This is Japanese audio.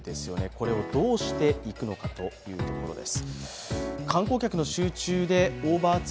これをどうしていくのかというところです。